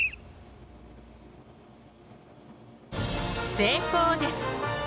成功です。